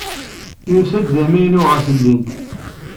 Yusa-d d amaynu ɣer temdint.